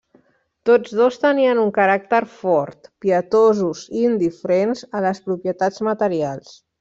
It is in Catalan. Tots dos tenien un caràcter fort, pietosos i indiferents a les propietats materials.